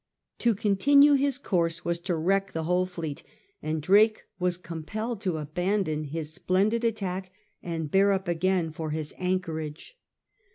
To continue his course was to wreck the whole fleet, and Drake was compelled to abandon his splendid attack and bear up again for his anchorage.